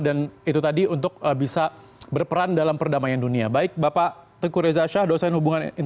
dan itu tadi untuk bisa berperan dalam perdamaian